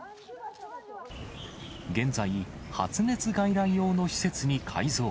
現在、発熱外来用の施設に改造。